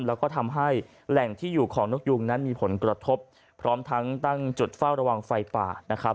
แล้วก็ทำให้แหล่งที่อยู่ของนกยุงนั้นมีผลกระทบพร้อมทั้งตั้งจุดเฝ้าระวังไฟป่านะครับ